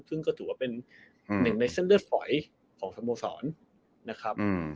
ซึ่งก็ถือว่าเป็นหนึ่งในเส้นเลือดฝอยของสโมสรนะครับ